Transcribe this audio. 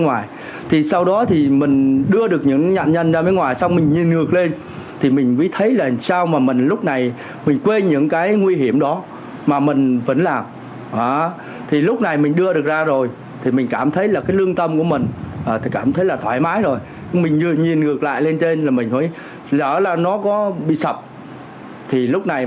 nguyễn văn nguyễn giám đốc nguyễn văn nguyễn giám đốc nguyễn văn nguyễn giám đốc nguyễn văn nguyễn giám đốc nguyễn văn nguyễn giám đốc nguyễn văn nguyễn giám đốc nguyễn văn nguyễn giám đốc nguyễn văn nguyễn giám đốc nguyễn văn nguyễn giám đốc nguyễn văn nguyễn giám đốc nguyễn văn nguyễn giám đốc nguyễn văn nguyễn giám đốc nguyễn văn nguyễn giám đốc nguyễn văn nguyễn giám đốc nguyễn văn nguyễn